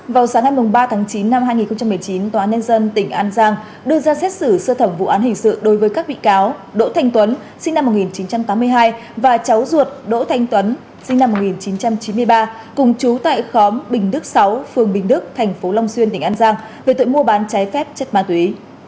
vào sáng ngày ba tháng chín năm hai nghìn một mươi chín tòa nhân dân tỉnh an giang đưa ra xét xử sơ thẩm vụ án hình sự đối với các bị cáo đỗ thanh tuấn sinh năm một nghìn chín trăm tám mươi hai và cháu ruột đỗ thanh tuấn sinh năm một nghìn chín trăm chín mươi ba cùng chú tại khóm bình đức sáu phường bình đức tp long xuyên tỉnh an giang về tội mua bán trái phép chất ma túy